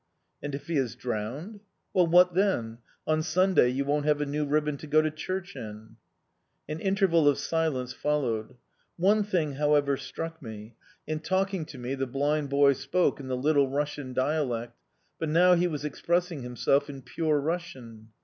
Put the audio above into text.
"And if he is drowned?" "Well, what then? On Sunday you won't have a new ribbon to go to church in." An interval of silence followed. One thing, however, struck me in talking to me the blind boy spoke in the Little Russian dialect, but now he was expressing himself in pure Russian.